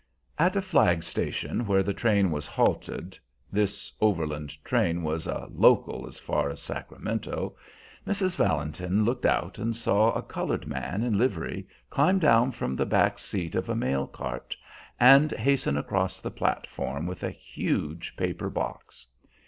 At a flag station where the train was halted (this overland train was a "local" as far as Sacramento) Mrs. Valentin looked out and saw a colored man in livery climb down from the back seat of a mail cart and hasten across the platform with a huge paper box.